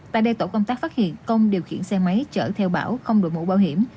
tại đây tổ công tác phát hiện công điều khiển xe máy chở theo bảo không đội mũ bảo hiểm